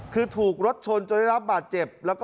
คือถูกรถชนจนได้รับบาดเจ็บ